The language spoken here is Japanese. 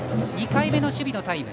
２回目の守備のタイム。